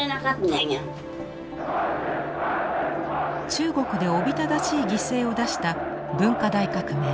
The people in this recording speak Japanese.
中国でおびただしい犠牲を出した文化大革命。